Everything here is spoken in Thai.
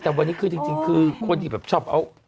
แต่วันนี้คือจริงคือคนที่แบบชอบเอา